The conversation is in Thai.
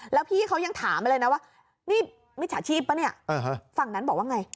แล้วพี่เขายังถามไปเลยนะว่านี่มิจฉาชีพป่ะเนี่ยฝั่งนั้นบอกว่าไง